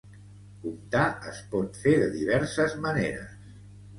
Comptar es pot fer de diverses maneres.